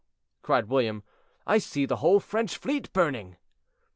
cried William, "I see the whole French fleet burning."